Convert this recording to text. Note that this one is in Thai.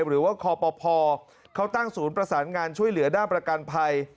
หรือว่าคอปภเขาตั้งศูนย์ประสานงานช่วยเหลือด้านประกันภัย